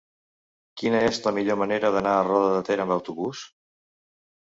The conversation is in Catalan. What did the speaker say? Quina és la millor manera d'anar a Roda de Ter amb autobús?